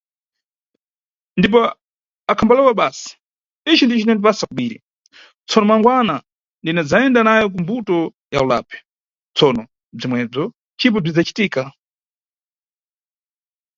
Ndipo, akhambalewa basi "ici ndico cinindipasa kobiri, tsono mangwana ndinidzayenda nawe ku mbuto ya ulapi", Tsono bzomwebzo cipo bzikhacitika.